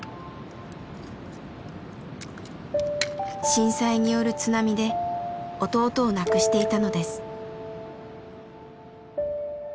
震災による津波で弟を亡くしていたのです。